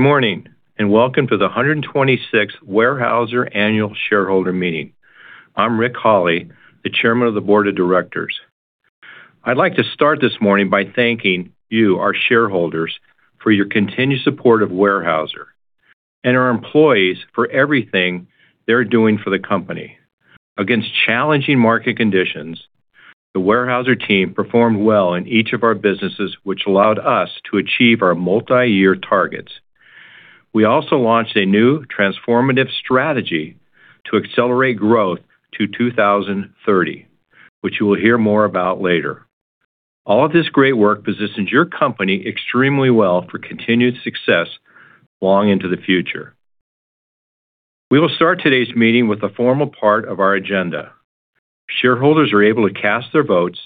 Morning, and welcome to the 126th Weyerhaeuser Annual Shareholder Meeting. I'm Rick Holley, the Chairman of the Board of Directors. I'd like to start this morning by thanking you, our shareholders, for your continued support of Weyerhaeuser and our employees for everything they're doing for the company. Against challenging market conditions, the Weyerhaeuser team performed well in each of our businesses, which allowed us to achieve our multi-year targets. We also launched a new transformative strategy to accelerate growth to 2030, which you will hear more about later. All of this great work positions your company extremely well for continued success long into the future. We will start today's meeting with the formal part of our agenda. Shareholders are able to cast their votes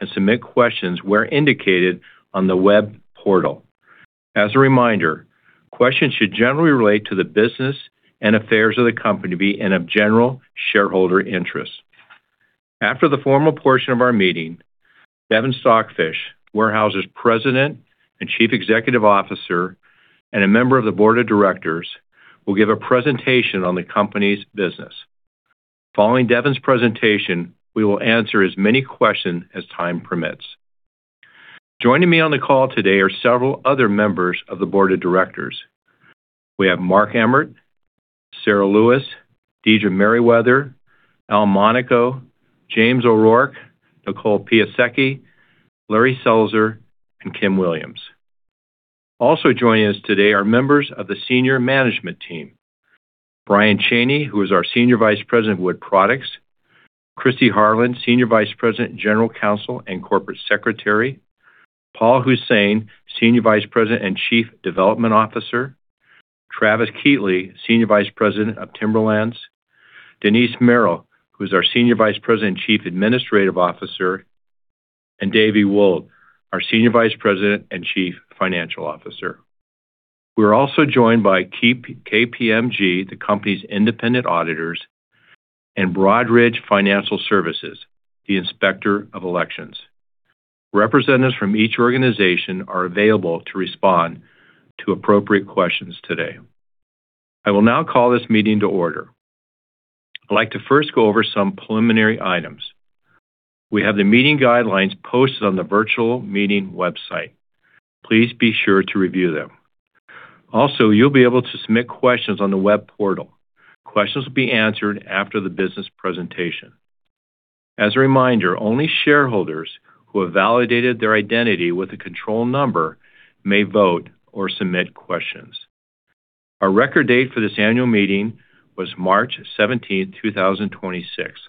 and submit questions where indicated on the web portal. As a reminder, questions should generally relate to the business and affairs of the company be in a general shareholder interest. After the formal portion of our meeting, Devin Stockfish, Weyerhaeuser's President and Chief Executive Officer and a member of the Board of Directors, will give a presentation on the company's business. Following Devin's presentation, we will answer as many questions as time permits. Joining me on the call today are several other members of the Board of Directors. We have Mark Emmert, Sara Lewis, Deidra Merriwether, Al Monaco, James O'Rourke, Nicole Piasecki, Larry Selzer, and Kim Williams. Also joining us today are members of the senior management team. Brian Chaney, who is our Senior Vice President, Wood Products. Kristy Harlan, Senior Vice President, General Counsel, and Corporate Secretary. Paul Hossain, Senior Vice President and Chief Development Officer. Travis Keatley, Senior Vice President of Timberlands. Denise Merle, who's our Senior Vice President and Chief Administrative Officer, and Davie Wold, our Senior Vice President and Chief Financial Officer. We are also joined by KPMG, the company's independent auditors, and Broadridge Financial Services, the Inspector of Elections. Representatives from each organization are available to respond to appropriate questions today. I will now call this meeting to order. I'd like to first go over some preliminary items. We have the meeting guidelines posted on the virtual meeting website. Please be sure to review them. You'll be able to submit questions on the web portal. Questions will be answered after the business presentation. As a reminder, only shareholders who have validated their identity with a control number may vote or submit questions. Our record date for this Annual Meeting was March 17, 2026.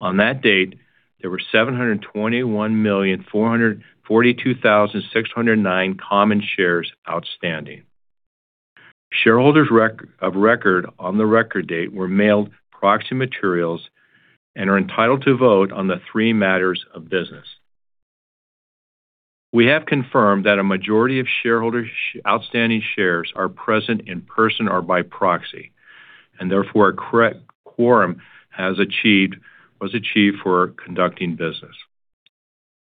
On that date, there were 721, 442,609 common shares outstanding. Shareholders of record on the record date were mailed proxy materials and are entitled to vote on the three matters of business. We have confirmed that a majority of outstanding shares are present in person or by proxy, and therefore a correct quorum was achieved for conducting business.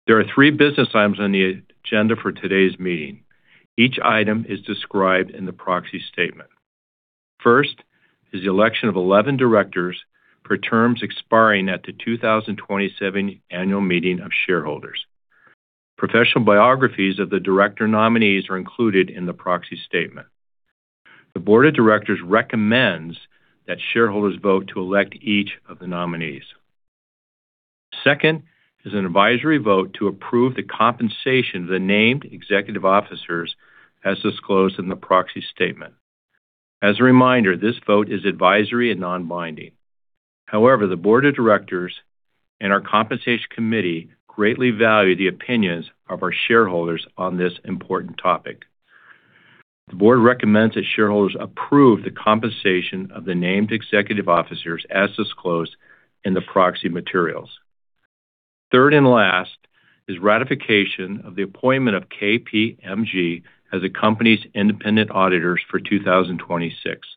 There are three business items on the agenda for today's meeting. Each item is described in the proxy statement. First is the election of 11 Directors for terms expiring at the 2027 Annual Meeting of Shareholders. Professional biographies of the director nominees are included in the proxy statement. The Board of Directors recommends that shareholders vote to elect each of the nominees. Second is an advisory vote to approve the compensation of the named Executive Officers as disclosed in the proxy statement. As a reminder, this vote is advisory and non-binding. However, the Board of Directors and our Compensation Committee greatly value the opinions of our shareholders on this important topic. The Board recommends that shareholders approve the compensation of the named Executive officers as disclosed in the proxy materials. Third and last is ratification of the appointment of KPMG as the company's independent auditors for 2026.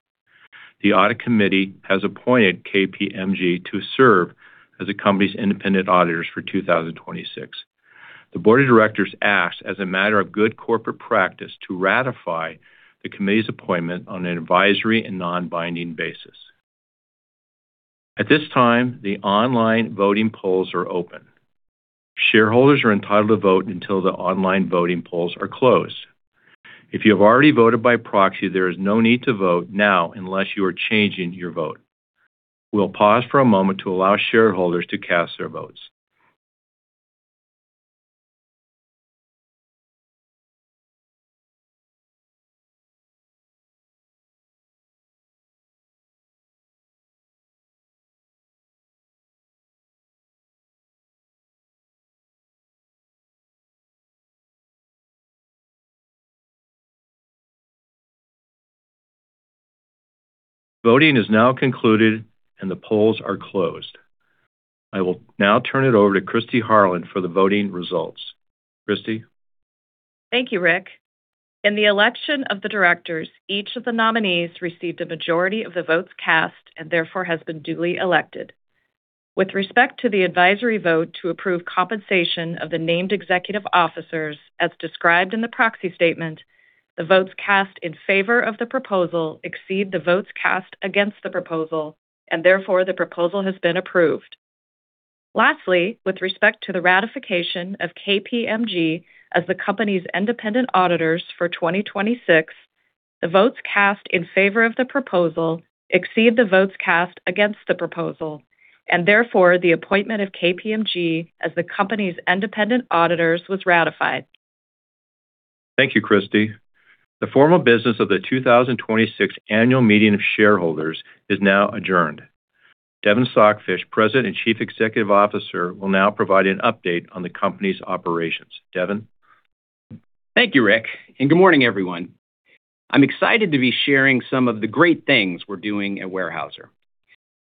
The Audit Committee has appointed KPMG to serve as the company's independent auditors for 2026. The Board of Directors asks, as a matter of good corporate practice, to ratify the Committee's appointment on an advisory and non-binding basis. At this time, the online voting polls are open. Shareholders are entitled to vote until the online voting polls are closed. If you have already voted by proxy, there is no need to vote now unless you are changing your vote. We'll pause for a moment to allow shareholders to cast their votes. Voting is now concluded, and the polls are closed. I will now turn it over to Kristy Harlan for the voting results. Kristy? Thank you, Rick. In the election of the Directors, each of the nominees received a majority of the votes cast and therefore has been duly elected. With respect to the advisory vote to approve compensation of the named Executive Officers as described in the proxy statement, the votes cast in favor of the proposal exceed the votes cast against the proposal, and therefore, the proposal has been approved. Lastly, with respect to the ratification of KPMG as the company's independent auditors for 2026, the votes cast in favor of the proposal exceed the votes cast against the proposal, and therefore, the appointment of KPMG as the company's independent auditors was ratified. Thank you, Kristy. The formal business of the 2026 Annual Meeting of Shareholders is now adjourned. Devin Stockfish, President and Chief Executive Officer, will now provide an update on the company's operations. Devin? Thank you, Rick, and good morning, everyone. I'm excited to be sharing some of the great things we're doing at Weyerhaeuser.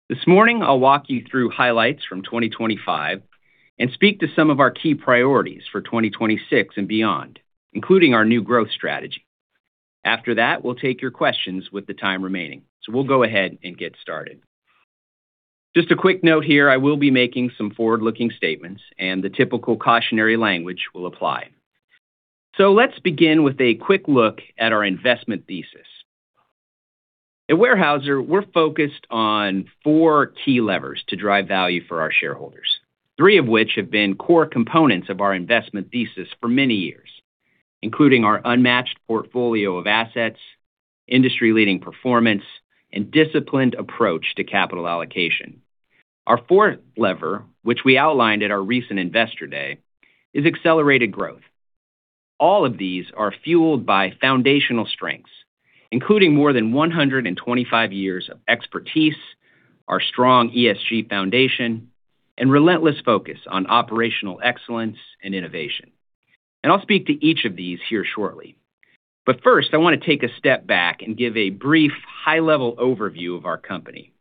This morning, I'll walk you through highlights from 2025 and speak to some of our key priorities for 2026 and beyond, including our new growth strategy. After that, we'll take your questions with the time remaining. We'll go ahead and get started. Just a quick note here, I will be making some forward-looking statements, and the typical cautionary language will apply. Let's begin with a quick look at our investment thesis. At Weyerhaeuser, we're focused on four key levers to drive value for our shareholders, three of which have been core components of our investment thesis for many years, including our unmatched portfolio of assets, industry-leading performance, and disciplined approach to capital allocation. Our fourth lever, which we outlined at our recent Investor Day, is accelerated growth. All of these are fueled by foundational strengths, including more than 125 years of expertise, our strong ESG foundation, and relentless focus on operational excellence and innovation. I'll speak to each of these here shortly. First, I want to take a step back and give a brief high-level overview of our company.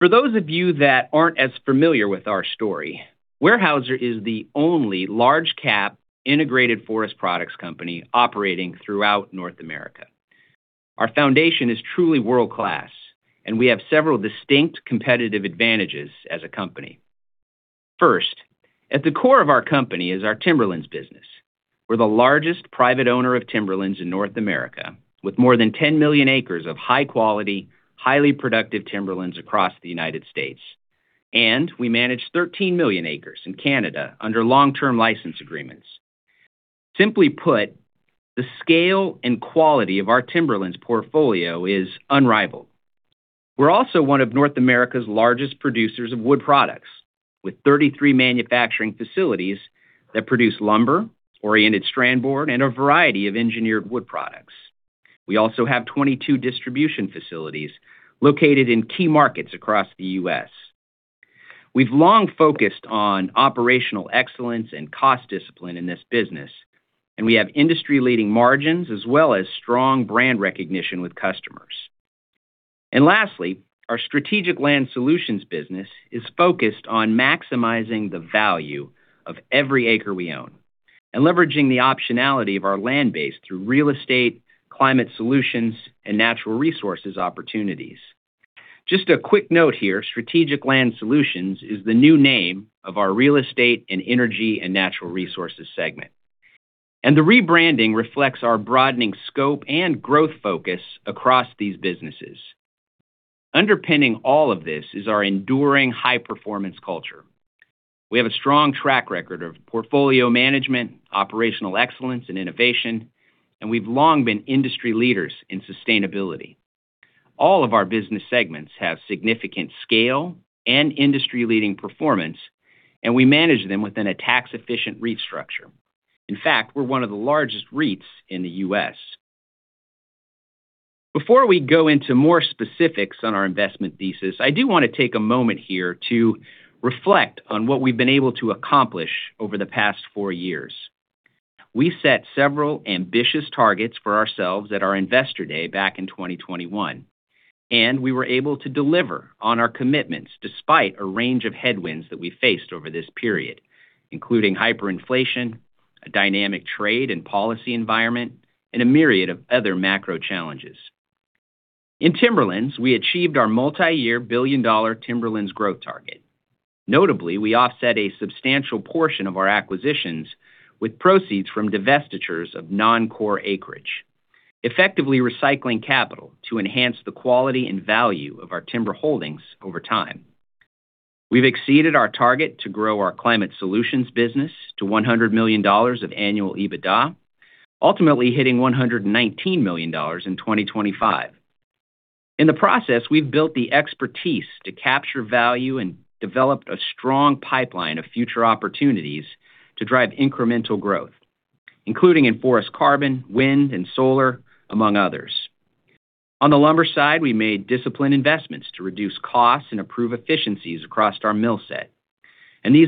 For those of you that aren't as familiar with our story, Weyerhaeuser is the only large-cap integrated forest products company operating throughout North America. Our foundation is truly world-class, we have several distinct competitive advantages as a company. First, at the core of our company is our Timberlands business. We're the largest private owner of timberlands in North America, with more than 10 million acres of high-quality, highly productive timberlands across the U.S. We manage 13 million acres in Canada under long-term license agreements. Simply put, the scale and quality of our Timberlands portfolio is unrivaled. We're also one of North America's largest producers of Wood Products, with 33 manufacturing facilities that produce lumber, oriented strand board, and a variety of engineered wood products. We also have 22 distribution facilities located in key markets across the U.S. We've long focused on operational excellence and cost discipline in this business, and we have industry-leading margins as well as strong brand recognition with customers. Lastly, our Strategic Land Solutions business is focused on maximizing the value of every acre we own and leveraging the optionality of our land base through real estate, climate solutions, and natural resources opportunities. Just a quick note here, Strategic Land Solutions is the new name of our Real Estate, Energy and Natural Resources segment. The rebranding reflects our broadening scope and growth focus across these businesses. Underpinning all of this is our enduring high-performance culture. We have a strong track record of portfolio management, operational excellence, and innovation, and we've long been industry leaders in sustainability. All of our business segments have significant scale and industry-leading performance, and we manage them within a tax-efficient REIT structure. In fact, we're one of the largest REITs in the U.S. Before we go into more specifics on our investment thesis, I do want to take a moment here to reflect on what we've been able to accomplish over the past four years. We set several ambitious targets for ourselves at our Investor Day back in 2021, we were able to deliver on our commitments despite a range of headwinds that we faced over this period, including hyperinflation, a dynamic trade and policy environment, and a myriad of other macro challenges. In Timberlands, we achieved our multi-year billion dollar timberlands growth target. Notably, we offset a substantial portion of our acquisitions with proceeds from divestitures of non-core acreage, effectively recycling capital to enhance the quality and value of our timber holdings over time. We've exceeded our target to grow our Climate Solutions business to $100 million of annual EBITDA, ultimately hitting $119 million in 2025. In the process, we've built the expertise to capture value and developed a strong pipeline of future opportunities to drive incremental growth, including in forest carbon, wind, and solar, among others. These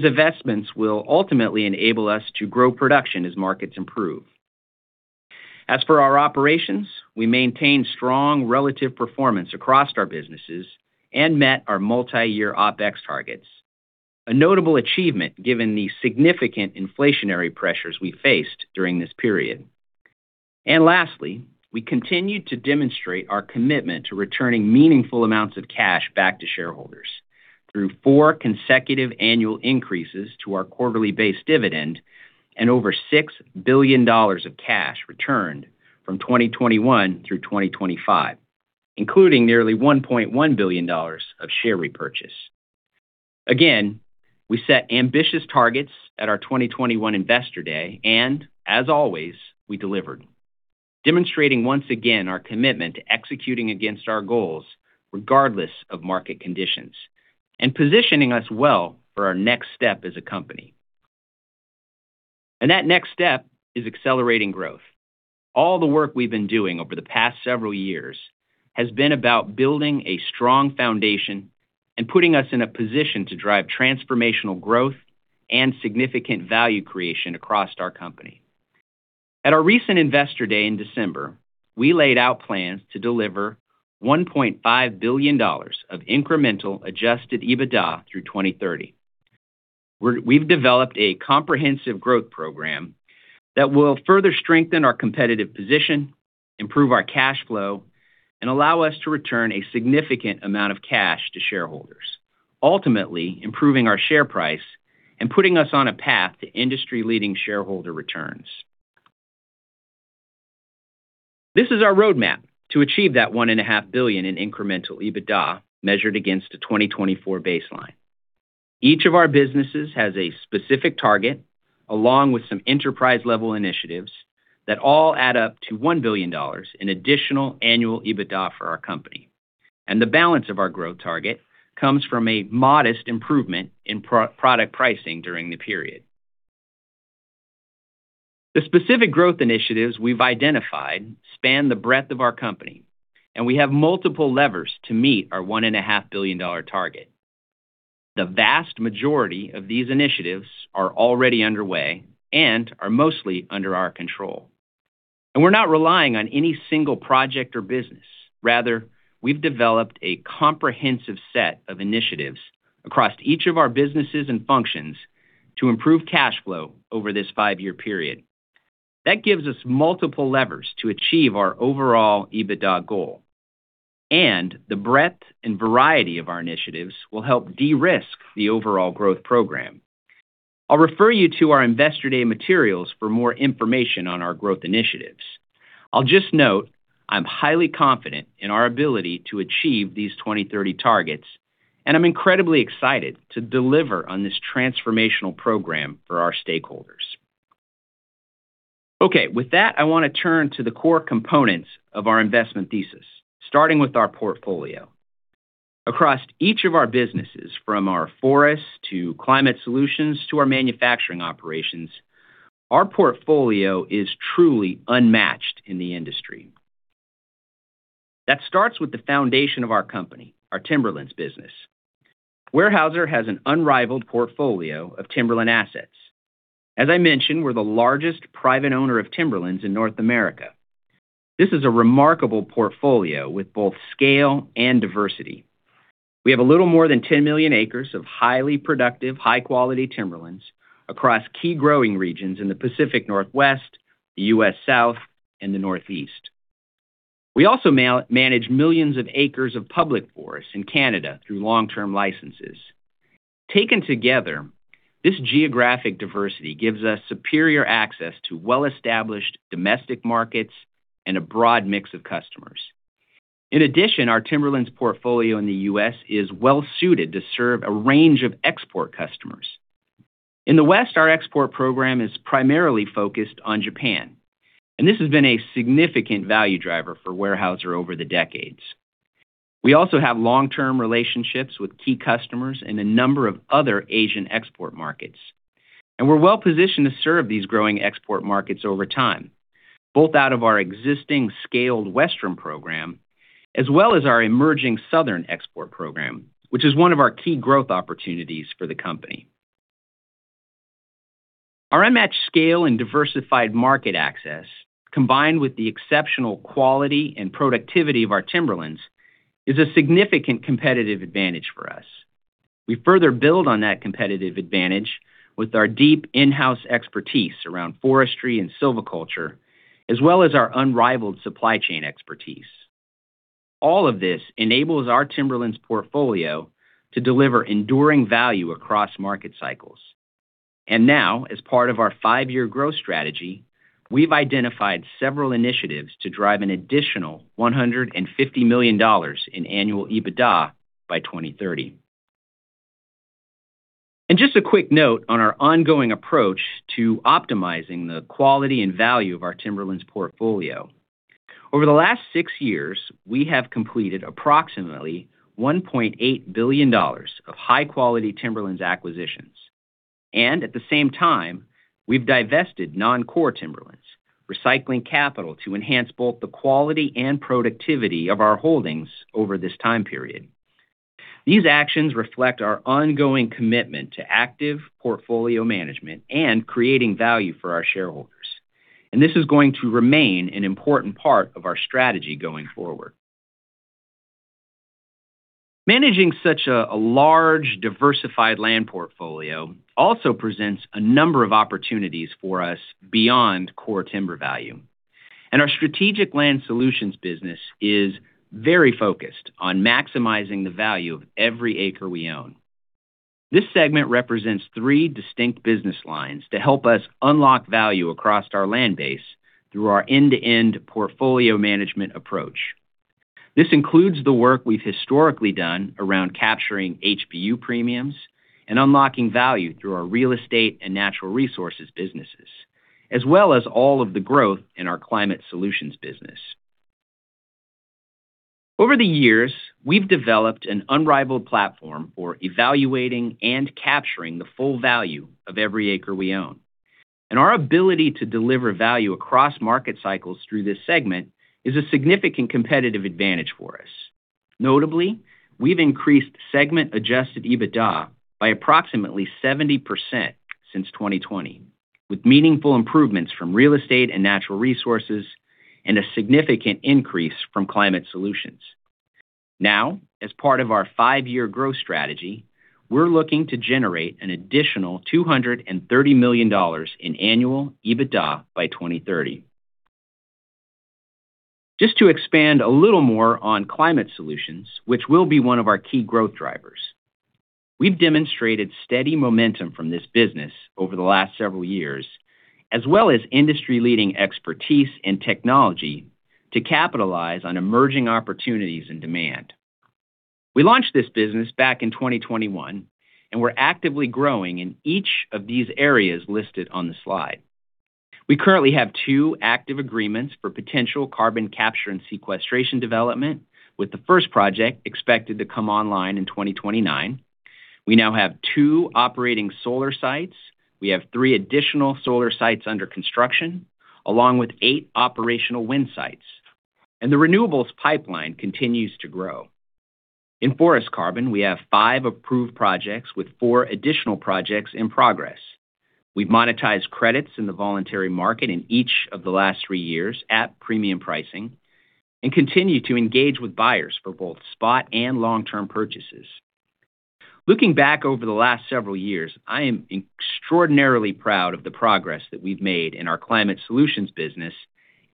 investments will ultimately enable us to grow production as markets improve. As for our operations, we maintained strong relative performance across our businesses and met our multi-year OpEx targets, a notable achievement given the significant inflationary pressures we faced during this period. Lastly, we continue to demonstrate our commitment to returning meaningful amounts of cash back to shareholders through four consecutive annual increases to our quarterly-based dividend and over $6 billion of cash returned from 2021 through 2025, including nearly $1.1 billion of share repurchase. We set ambitious targets at our 2021 Investor Day, and as always, we delivered, demonstrating once again our commitment to executing against our goals regardless of market conditions and positioning us well for our next step as a company. That next step is accelerating growth. All the work we've been doing over the past several years has been about building a strong foundation and putting us in a position to drive transformational growth and significant value creation across our company. At our recent Investor Day in December, we laid out plans to deliver $1.5 billion of incremental adjusted EBITDA through 2030. We've developed a comprehensive growth program that will further strengthen our competitive position, improve our cash flow, and allow us to return a significant amount of cash to shareholders, ultimately improving our share price and putting us on a path to industry-leading shareholder returns. This is our roadmap to achieve that $1.5 billion in incremental EBITDA measured against a 2024 baseline. Each of our businesses has a specific target, along with some enterprise-level initiatives that all add up to $1 billion in additional annual EBITDA for our company. The balance of our growth target comes from a modest improvement in product pricing during the period. The specific growth initiatives we've identified span the breadth of our company, and we have multiple levers to meet our $1.5 billion target. The vast majority of these initiatives are already underway and are mostly under our control. We're not relying on any single project or business. Rather, we've developed a comprehensive set of initiatives across each of our businesses and functions to improve cash flow over this five-year period. That gives us multiple levers to achieve our overall EBITDA goal. The breadth and variety of our initiatives will help de-risk the overall growth program. I'll refer you to our Investor Day materials for more information on our growth initiatives. I'll just note I'm highly confident in our ability to achieve these 2030 targets, and I'm incredibly excited to deliver on this transformational program for our stakeholders. Okay, with that, I want to turn to the core components of our investment thesis, starting with our portfolio. Across each of our businesses, from our forests to climate solutions to our manufacturing operations, our portfolio is truly unmatched in the industry. That starts with the foundation of our company, our Timberlands business. Weyerhaeuser has an unrivaled portfolio of timberland assets. As I mentioned, we're the largest private owner of timberlands in North America. This is a remarkable portfolio with both scale and diversity. We have a little more than 10 million acres of highly productive, high-quality timberlands across key growing regions in the Pacific Northwest, the U.S. South, and the Northeast. We also manage millions of acres of public forests in Canada through long-term licenses. Taken together, this geographic diversity gives us superior access to well-established domestic markets and a broad mix of customers. In addition, our timberlands portfolio in the U.S. is well-suited to serve a range of export customers. In the West, our export program is primarily focused on Japan, and this has been a significant value driver for Weyerhaeuser over the decades. We also have long-term relationships with key customers in a number of other Asian export markets. We're well-positioned to serve these growing export markets over time, both out of our existing scaled Western program as well as our emerging Southern export program, which is one of our key growth opportunities for the company. Our unmatched scale and diversified market access, combined with the exceptional quality and productivity of our Timberlands, is a significant competitive advantage for us. We further build on that competitive advantage with our deep in-house expertise around forestry and silviculture, as well as our unrivaled supply chain expertise. All of this enables our Timberlands portfolio to deliver enduring value across market cycles. Now, as part of our five-year growth strategy, we've identified several initiatives to drive an additional $150 million in annual EBITDA by 2030. Just a quick note on our ongoing approach to optimizing the quality and value of our Timberlands portfolio. Over the last six years, we have completed approximately $1.8 billion of high-quality Timberlands acquisitions. At the same time, we've divested non-core Timberlands, recycling capital to enhance both the quality and productivity of our holdings over this time period. These actions reflect our ongoing commitment to active portfolio management and creating value for our shareholders, and this is going to remain an important part of our strategy going forward. Managing such a large, diversified land portfolio also presents a number of opportunities for us beyond core timber value, and our Strategic Land Solutions business is very focused on maximizing the value of every acre we own. This segment represents three distinct business lines to help us unlock value across our land base through our end-to-end portfolio management approach. This includes the work we've historically done around capturing HBU premiums and unlocking value through our Real Estate and Natural Resources businesses, as well as all of the growth in our Climate Solutions business. Over the years, we've developed an unrivaled platform for evaluating and capturing the full value of every acre we own, and our ability to deliver value across market cycles through this segment is a significant competitive advantage for us. Notably, we've increased segment adjusted EBITDA by approximately 70% since 2020, with meaningful improvements from Real Estate and Natural Resources and a significant increase from Climate Solutions. As part of our five-year growth strategy, we're looking to generate an additional $230 million in annual EBITDA by 2030. Just to expand a little more on Climate Solutions, which will be one of our key growth drivers, we've demonstrated steady momentum from this business over the last several years, as well as industry-leading expertise and technology to capitalize on emerging opportunities and demand. We launched this business back in 2021, and we're actively growing in each of these areas listed on the slide. We currently have two active agreements for potential carbon capture and sequestration development, with the first project expected to come online in 2029. We now have two operating solar sites. We have three additional solar sites under construction, along with eight operational wind sites, and the renewables pipeline continues to grow. In forest carbon, we have five approved projects with four additional projects in progress. We've monetized credits in the voluntary market in each of the last three years at premium pricing and continue to engage with buyers for both spot- and long-term purchases. Looking back over the last several years, I am extraordinarily proud of the progress that we've made in our Climate Solutions business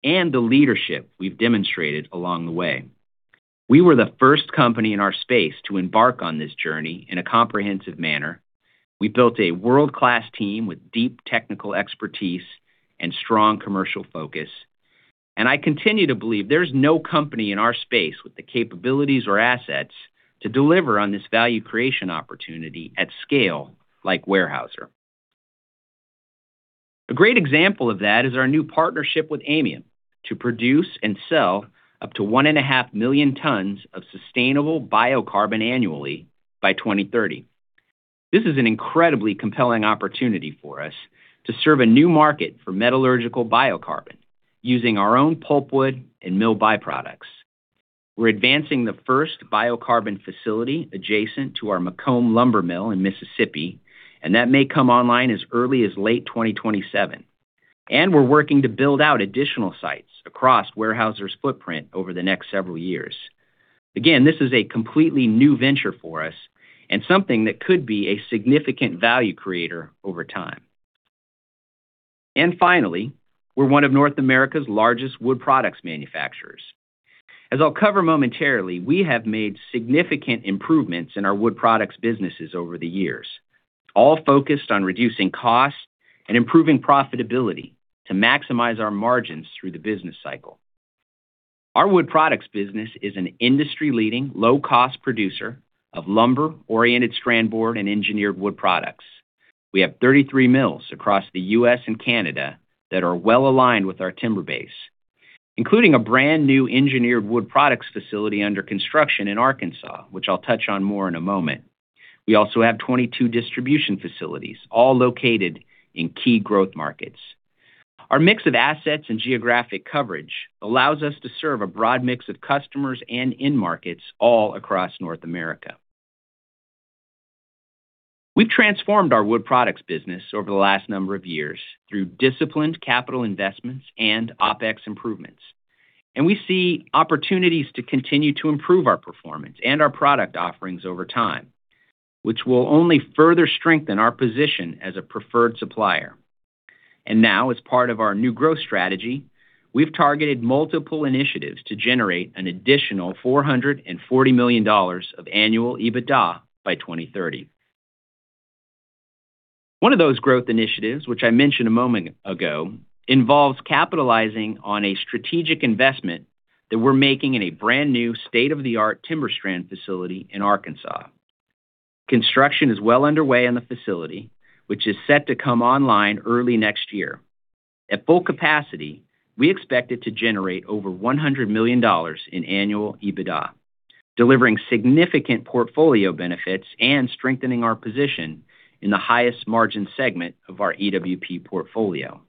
and the leadership we've demonstrated along the way. We were the first company in our space to embark on this journey in a comprehensive manner. We built a world-class team with deep technical expertise and strong commercial focus, and I continue to believe there's no company in our space with the capabilities or assets to deliver on this value creation opportunity at scale like Weyerhaeuser. A great example of that is our new partnership with Aymium to produce and sell up to 1.5 million tons of sustainable biocarbon annually by 2030. This is an incredibly compelling opportunity for us to serve a new market for metallurgical biocarbon using our own pulpwood and mill byproducts. We're advancing the first biocarbon facility adjacent to our McComb lumber mill in Mississippi, and that may come online as early as late 2027, and we're working to build out additional sites across Weyerhaeuser's footprint over the next several years. Again, this is a completely new venture for us and something that could be a significant value creator over time. Finally, we're one of North America's largest wood products manufacturers. As I'll cover momentarily, we have made significant improvements in our Wood Products businesses over the years, all focused on reducing costs and improving profitability to maximize our margins through the business cycle. Our Wood Products business is an industry-leading, low-cost producer of lumber, oriented strand board, and engineered wood products. We have 33 mills across the U.S. and Canada that are well aligned with our timber base, including a brand-new engineered wood products facility under construction in Arkansas, which I'll touch on more in a moment. We also have 22 distribution facilities, all located in key growth markets. Our mix of assets and geographic coverage allows us to serve a broad mix of customers and end markets all across North America. We've transformed our Wood Products business over the last number of years through disciplined capital investments and OpEx improvements. We see opportunities to continue to improve our performance and our product offerings over time, which will only further strengthen our position as a preferred supplier. Now, as part of our new growth strategy, we've targeted multiple initiatives to generate an additional $440 million of annual EBITDA by 2030. One of those growth initiatives, which I mentioned a moment ago, involves capitalizing on a strategic investment that we're making in a brand-new state-of-the-art TimberStrand facility in Arkansas. Construction is well underway on the facility, which is set to come online early next year. At full capacity, we expect it to generate over $100 million in annual EBITDA, delivering significant portfolio benefits and strengthening our position in the highest margin segment of our EWP portfolio.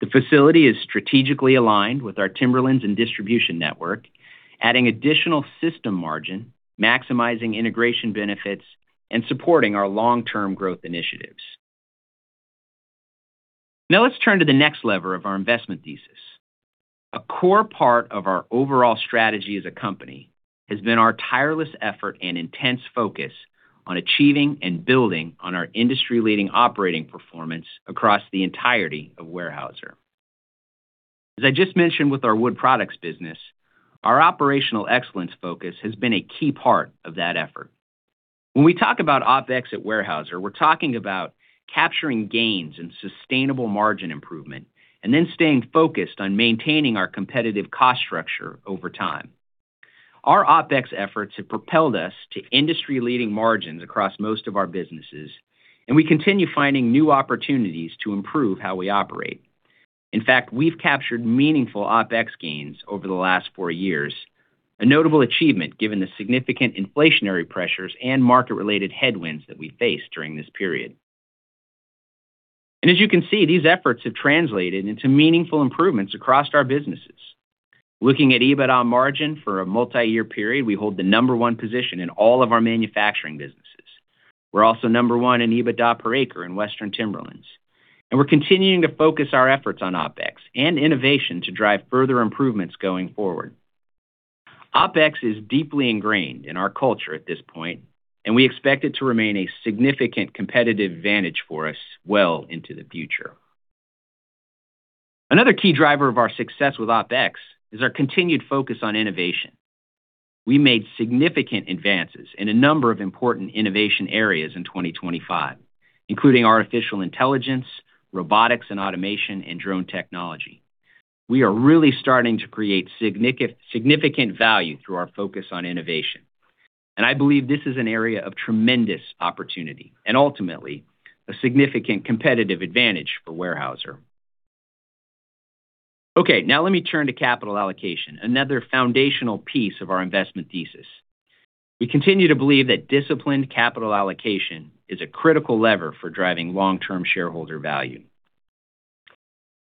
The facility is strategically aligned with our Timberlands and distribution network, adding additional system margin, maximizing integration benefits, and supporting our long-term growth initiatives. Let's turn to the next lever of our investment thesis. A core part of our overall strategy as a company has been our tireless effort and intense focus on achieving and building on our industry-leading operating performance across the entirety of Weyerhaeuser. As I just mentioned with our Wood Products business, our operational excellence focus has been a key part of that effort. When we talk about OpEx at Weyerhaeuser, we're talking about capturing gains and sustainable margin improvement, and then staying focused on maintaining our competitive cost structure over time. Our OpEx efforts have propelled us to industry-leading margins across most of our businesses, and we continue finding new opportunities to improve how we operate. In fact, we've captured meaningful OpEx gains over the last four years, a notable achievement given the significant inflationary pressures and market-related headwinds that we faced during this period. As you can see, these efforts have translated into meaningful improvements across our businesses. Looking at EBITDA margin for a multi-year period, we hold the number one position in all of our manufacturing businesses. We're also number one in EBITDA per acre in Western Timberlands. We're continuing to focus our efforts on OpEx and innovation to drive further improvements going forward. OpEx is deeply ingrained in our culture at this point. We expect it to remain a significant competitive advantage for us well into the future. Another key driver of our success with OpEx is our continued focus on innovation. We made significant advances in a number of important innovation areas in 2025, including artificial intelligence, robotics and automation, and drone technology. We are really starting to create significant value through our focus on innovation. I believe this is an area of tremendous opportunity and ultimately a significant competitive advantage for Weyerhaeuser. Okay, now let me turn to capital allocation, another foundational piece of our investment thesis. We continue to believe that disciplined capital allocation is a critical lever for driving long-term shareholder value.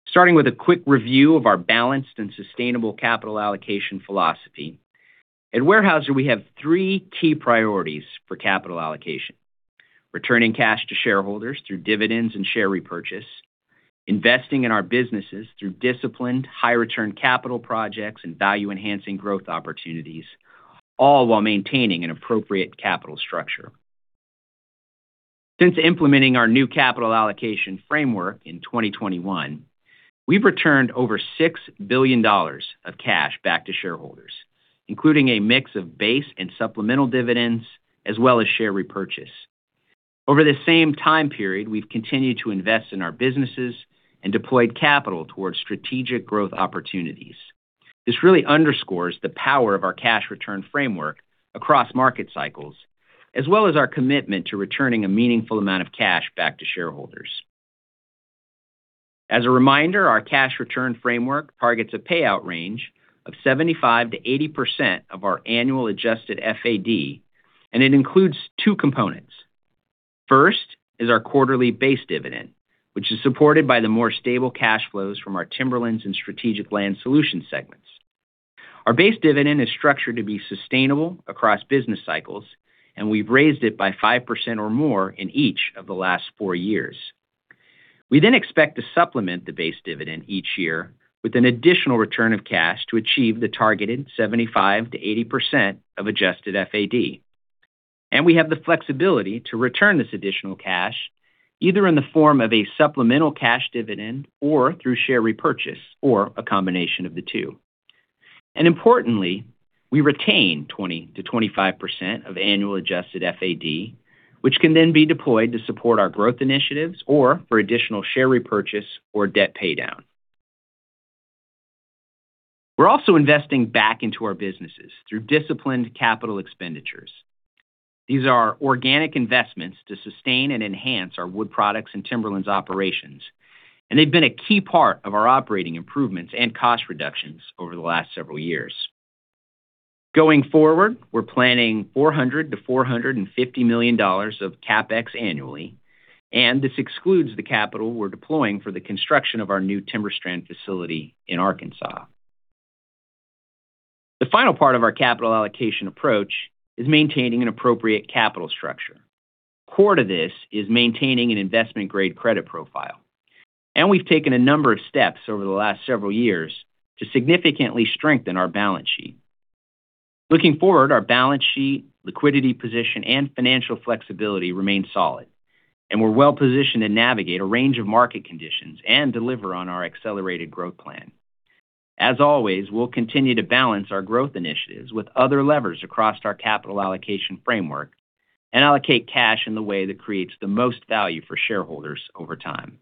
Starting with a quick review of our balanced and sustainable capital allocation philosophy, at Weyerhaeuser, we have three key priorities for capital allocation: returning cash to shareholders through dividends and share repurchase, investing in our businesses through disciplined high-return capital projects and value-enhancing growth opportunities, all while maintaining an appropriate capital structure. Since implementing our new capital allocation framework in 2021, we've returned over $6 billion of cash back to shareholders, including a mix of base and supplemental dividends, as well as share repurchase. Over this same time period, we've continued to invest in our businesses and deployed capital towards strategic growth opportunities. This really underscores the power of our cash return framework across market cycles, as well as our commitment to returning a meaningful amount of cash back to shareholders. As a reminder, our cash return framework targets a payout range of 75%-80% of our annual adjusted FAD. It includes two components. First is our quarterly base dividend, which is supported by the more stable cash flows from our Timberlands and Strategic Land Solutions segments. Our base dividend is structured to be sustainable across business cycles. We've raised it by 5% or more in each of the last four years. We expect to supplement the base dividend each year with an additional return of cash to achieve the targeted 75%-80% of adjusted FAD. We have the flexibility to return this additional cash either in the form of a supplemental cash dividend or through share repurchase, or a combination of the two. Importantly, we retain 20%-25% of annual adjusted FAD, which can then be deployed to support our growth initiatives or for additional share repurchase or debt paydown. We're also investing back into our businesses through disciplined capital expenditures. These are organic investments to sustain and enhance our Wood Products and Timberlands operations, and they've been a key part of our operating improvements and cost reductions over the last several years. Going forward, we're planning $400 million-$450 million of CapEx annually, and this excludes the capital we're deploying for the construction of our new TimberStrand facility in Arkansas. The final part of our capital allocation approach is maintaining an appropriate capital structure. Core to this is maintaining an investment-grade credit profile, and we've taken a number of steps over the last several years to significantly strengthen our balance sheet. Looking forward, our balance sheet, liquidity position, and financial flexibility remain solid, and we're well-positioned to navigate a range of market conditions and deliver on our accelerated growth plan. As always, we'll continue to balance our growth initiatives with other levers across our capital allocation framework and allocate cash in the way that creates the most value for shareholders over time.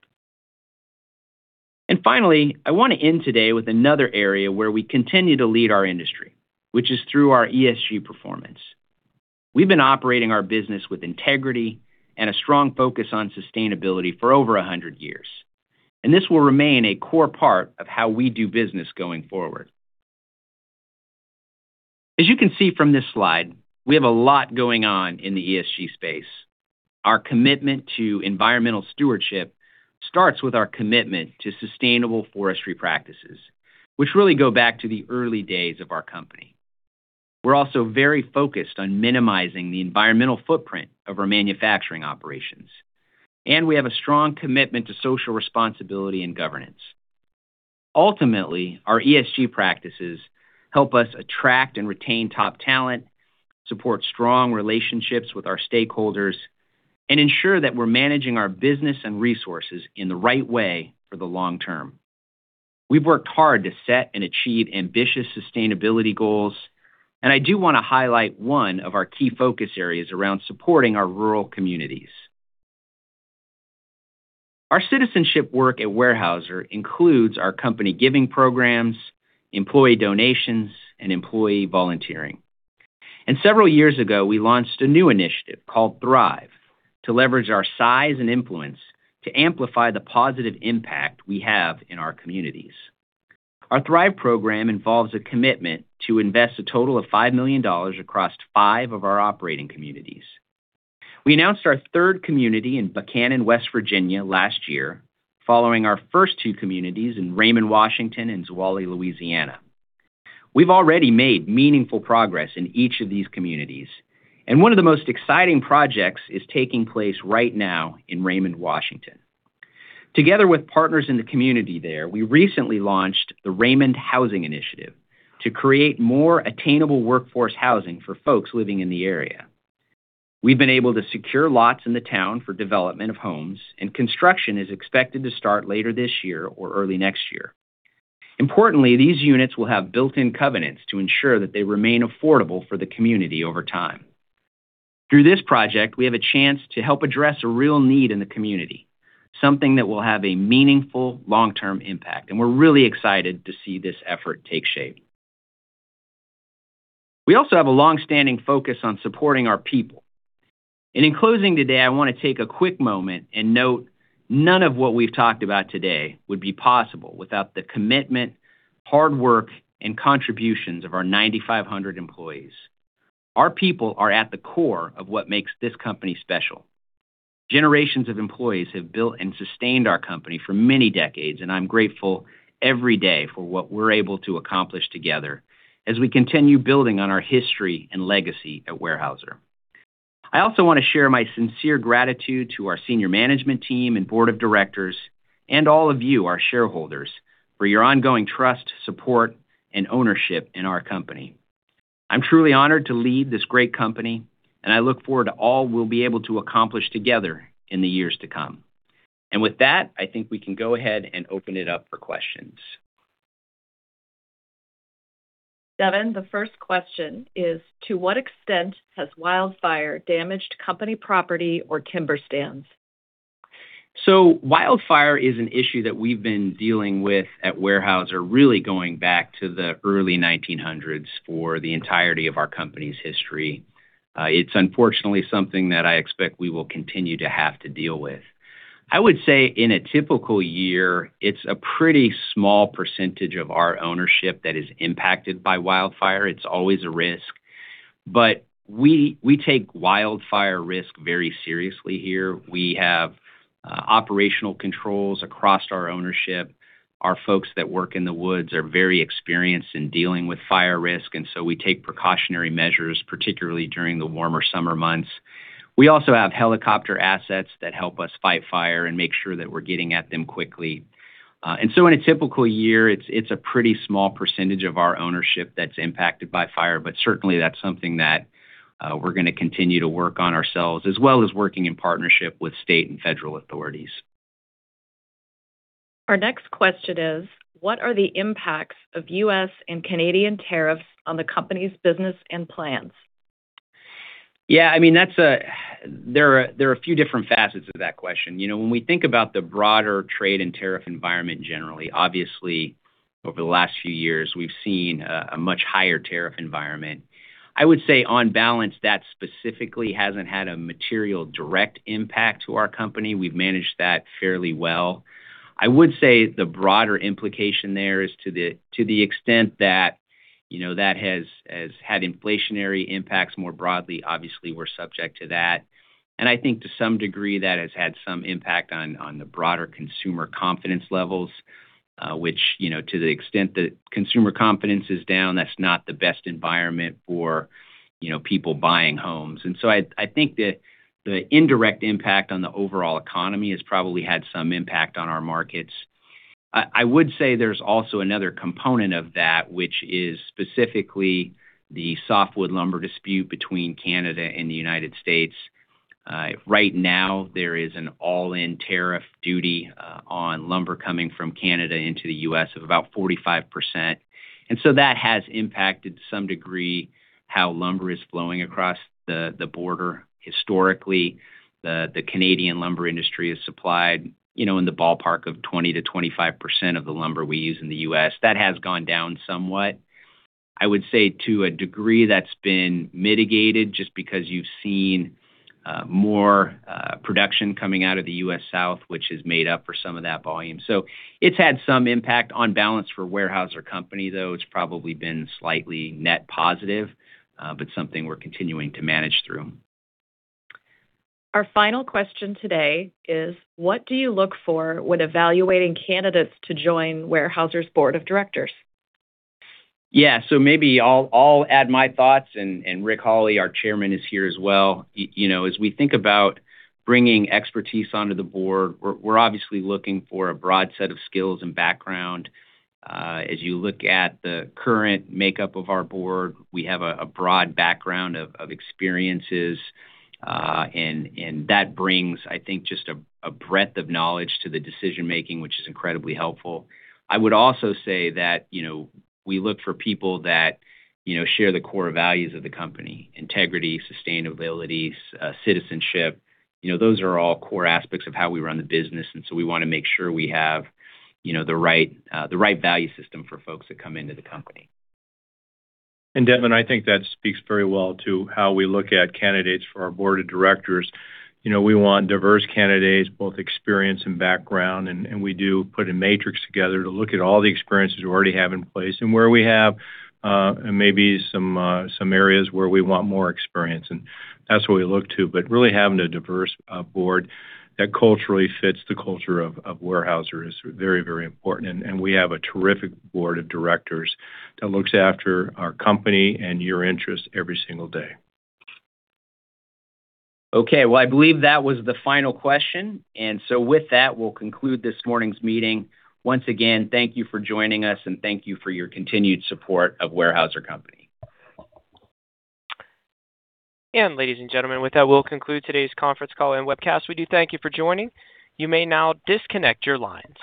Finally, I want to end today with another area where we continue to lead our industry, which is through our ESG performance. We've been operating our business with integrity and a strong focus on sustainability for over 100 years, and this will remain a core part of how we do business going forward. As you can see from this slide, we have a lot going on in the ESG space. Our commitment to environmental stewardship starts with our commitment to sustainable forestry practices, which really go back to the early days of our company. We're also very focused on minimizing the environmental footprint of our manufacturing operations, and we have a strong commitment to social responsibility and governance. Ultimately, our ESG practices help us attract and retain top talent, support strong relationships with our stakeholders, and ensure that we're managing our business and resources in the right way for the long term. We've worked hard to set and achieve ambitious sustainability goals, and I do wanna highlight one of our key focus areas around supporting our rural communities. Our citizenship work at Weyerhaeuser includes our company giving programs, employee donations, and employee volunteering. Several years ago, we launched a new initiative called THRIVE to leverage our size and influence to amplify the positive impact we have in our communities. Our THRIVE program involves a commitment to invest a total of $5 million across five of our operating communities. We announced our third community in Buckhannon, West Virginia, last year, following our first two communities in Raymond, Washington, and Zwolle, Louisiana. We've already made meaningful progress in each of these communities, and one of the most exciting projects is taking place right now in Raymond, Washington. Together with partners in the community there, we recently launched the Raymond Housing Initiative to create more attainable workforce housing for folks living in the area. We've been able to secure lots in the town for development of homes, and construction is expected to start later this year or early next year. Importantly, these units will have built-in covenants to ensure that they remain affordable for the community over time. Through this project, we have a chance to help address a real need in the community, something that will have a meaningful long-term impact, and we're really excited to see this effort take shape. We also have a long-standing focus on supporting our people. In closing today, I wanna take a quick moment and note none of what we've talked about today would be possible without the commitment, hard work, and contributions of our 9,500 employees. Our people are at the core of what makes this company special. Generations of employees have built and sustained our company for many decades, and I'm grateful every day for what we're able to accomplish together as we continue building on our history and legacy at Weyerhaeuser. I also wanna share my sincere gratitude to our Senior Management team and Board of Directors and all of you, our shareholders, for your ongoing trust, support, and ownership in our company. I'm truly honored to lead this great company, and I look forward to all we'll be able to accomplish together in the years to come. With that, I think we can go ahead and open it up for questions. Devin, the first question is, to what extent has wildfire damaged company property or timber stands? Wildfire is an issue that we've been dealing with at Weyerhaeuser really going back to the early 1900s for the entirety of our company's history. It's unfortunately something that I expect we will continue to have to deal with. I would say in a typical year, it's a pretty small percentage of our ownership that is impacted by wildfire. It's always a risk. We take wildfire risk very seriously here. We have operational controls across our ownership. Our folks that work in the woods are very experienced in dealing with fire risk, and so we take precautionary measures, particularly during the warmer summer months. We also have helicopter assets that help us fight fire and make sure that we're getting at them quickly. In a typical year, it's a pretty small percentage of our ownership that's impacted by fire, but certainly that's something that we're gonna continue to work on ourselves, as well as working in partnership with state and federal authorities. Our next question is, what are the impacts of U.S. and Canadian tariffs on the company's business and plans? Yeah, I mean, there are a few different facets of that question. You know, when we think about the broader trade and tariff environment generally, obviously over the last few years we've seen a much higher tariff environment. I would say on balance, that specifically hasn't had a material direct impact to our company. We've managed that fairly well. I would say the broader implication there is to the extent that, you know, that has had inflationary impacts more broadly, obviously we're subject to that. I think to some degree that has had some impact on the broader consumer confidence levels, which, you know, to the extent that consumer confidence is down, that's not the best environment for, you know, people buying homes. I think the indirect impact on the overall economy has probably had some impact on our markets. I would say there's also another component of that, which is specifically the softwood lumber dispute between Canada and the United States. Right now there is an all-in tariff duty on lumber coming from Canada into the U.S. of about 45%, and so that has impacted to some degree how lumber is flowing across the border. Historically, the Canadian lumber industry has supplied, you know, in the ballpark of 20%-25% of the lumber we use in the U.S. That has gone down somewhat. I would say to a degree that's been mitigated just because you've seen more production coming out of the U.S. South, which has made up for some of that volume. It's had some impact. On balance for Weyerhaeuser Company, though, it's probably been slightly net positive, but something we're continuing to manage through. Our final question today is, what do you look for when evaluating candidates to join Weyerhaeuser's Board of Directors? Yeah. Maybe I'll add my thoughts, and Rick Holley, our Chairman, is here as well. You know, as we think about bringing expertise onto the Board, we're obviously looking for a broad set of skills and background. As you look at the current makeup of our Board, we have a broad background of experiences, and that brings, I think, just a breadth of knowledge to the decision-making, which is incredibly helpful. I would also say that, you know, we look for people that, you know, share the core values of the company: integrity, sustainability, citizenship. You know, those are all core aspects of how we run the business, we wanna make sure we have, you know, the right value system for folks that come into the company. Devin, I think that speaks very well to how we look at candidates for our Board of Directors. You know, we want diverse candidates, both experience and background, and we do put a matrix together to look at all the experiences we already have in place and where we have maybe some areas where we want more experience, and that's what we look to. Really having a diverse Board that culturally fits the culture of Weyerhaeuser is very, very important, and we have a terrific Board of Directors that looks after our company and your interests every single day. Okay. Well, I believe that was the final question. With that, we'll conclude this morning's meeting. Once again, thank you for joining us, and thank you for your continued support of Weyerhaeuser Company. Ladies and gentlemen, with that, we'll conclude today's conference call and webcast. We do thank you for joining. You may now disconnect your lines.